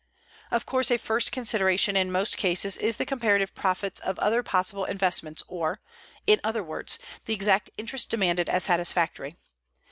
Of course a first consideration in most cases is the comparative profits of other possible investments or, in other words, the exact interest demanded as satisfactory.